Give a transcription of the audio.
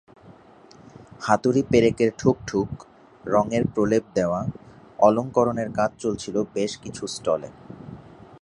হাতুড়ি-পেরেকের ঠুকঠুক, রঙের প্রলেপ দেওয়া, অলংকরণের কাজ চলছিল বেশ কিছু স্টলে।